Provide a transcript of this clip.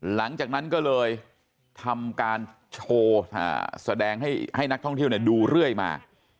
หลังจากนั้นก็เลยทำการโชว์แสดงให้นักท่องเที่ยวดูเรื่อยมา